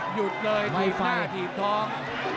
หยุดเลยถีบฝ้าถีบท้อง